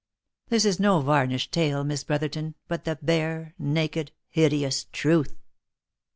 This is no varnished tale, Miss Brotherton, but the bare, naked, hideous truth.